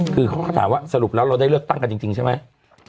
คือเขาก็ถามว่าสรุปแล้วเราได้เลือกตั้งกันจริงใช่ไหม